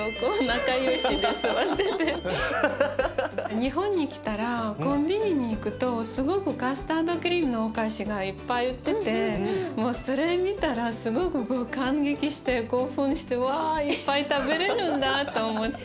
日本に来たらコンビニに行くとすごくカスタードクリームのお菓子がいっぱい売っててもうそれ見たらすごく感激して興奮してわいっぱい食べれるんだと思って。